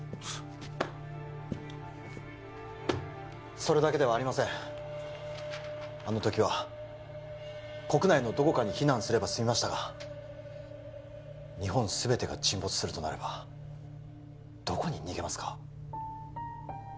それだけではありませんあの時は国内のどこかに避難すればすみましたが日本全てが沈没するとなればどこに逃げますか？